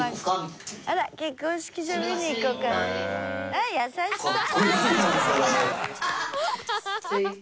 あっ優しそうあっ！